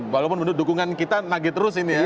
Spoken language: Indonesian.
walaupun mendukungan kita nagih terus ini ya